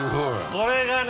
これがね